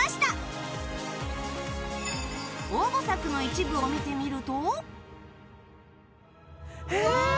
応募作の一部を見てみるとええーっ！